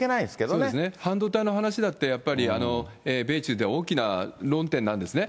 そうですね、半導体の話だって、やっぱり米中で大きな論点なんですね。